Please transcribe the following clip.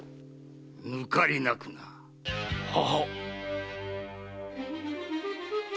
抜かりなくな。ははっ。